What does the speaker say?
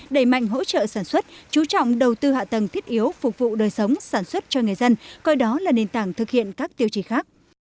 đẩy mạnh hỗ trợ sản xuất chú trọng đầu tư hạ tầng thiết yếu phục vụ đời sống sản xuất cho người dân coi đó là nền tảng thực hiện các tiêu chí khác